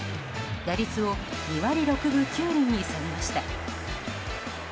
打率を２割６分９厘に下げました。